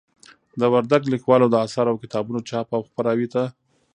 د وردگ ليكوالو د آثارو او كتابونو چاپ او خپراوي ته